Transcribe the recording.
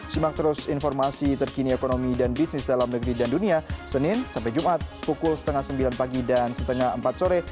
simak terus informasi terkini ekonomi dan bisnis dalam negeri dan dunia senin sampai jumat pukul setengah sembilan pagi dan setengah empat sore